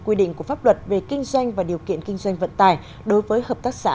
quy định của pháp luật về kinh doanh và điều kiện kinh doanh vận tải đối với hợp tác xã